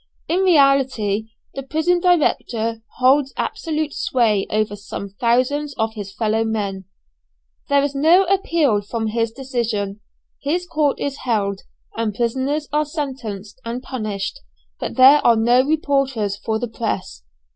In reality, the prison director holds absolute sway over some thousands of his fellow men; there is no appeal from his decisions; his court is held, and prisoners are sentenced and punished, but there are no reporters for the press.